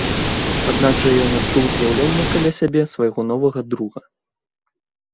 Аднак жа ён адчуў з'яўленне каля сябе свайго новага друга.